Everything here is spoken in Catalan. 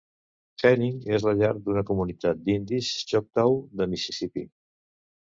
Henning és la llar d'una comunitat d'indis Choctaw de Mississipí.